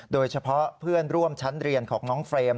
โดยเฉพาะเพื่อนร่วมชั้นเรียนของน้องเฟรม